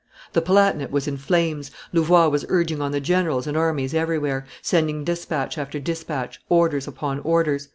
The Palatinate was in flames; Louvois was urging on the generals and armies everywhere, sending despatch after despatch, orders upon orders.